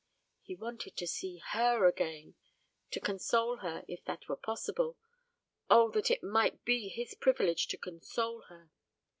He wanted to see her again, to console her, if that were possible. Oh, that it might be his privilege to console her!